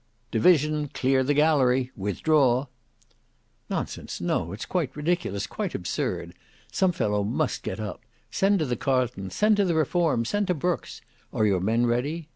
"Division: clear the gallery. Withdraw." "Nonsense; no; it's quite ridiculous; quite absurd. Some fellow must get up. Send to the Carlton; send to the Reform; send to Brookes's. Are your men ready?